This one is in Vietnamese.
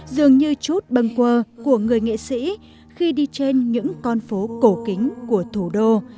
dường như chút băng qua của người nghệ sĩ khi đi trên những con phố cổ kính của thủ đô